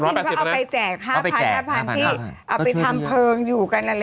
แต่พี่บินเขาเอาไปแจก๕๐๐๐ที่เอาไปทำเพริงอยู่กันนะละเนี้ย